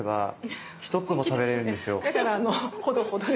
だからあのほどほどに。